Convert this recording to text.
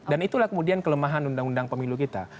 dan itulah kemudian kelemahan undang undang pemilu kita